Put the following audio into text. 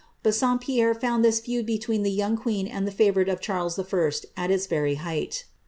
Bassompierre found this feud be tween the young queen and the favourite of Charles ]. at its very height.